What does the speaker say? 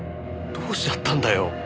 どうしちゃったんだよ？